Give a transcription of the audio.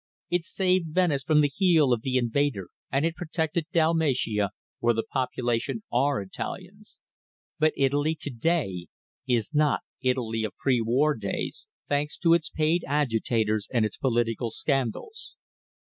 It saved Venice from the heel of the invader and it protected Dalmatia, where the population are Italians. But Italy to day is not Italy of pre war days, thanks to its paid agitators and its political scandals.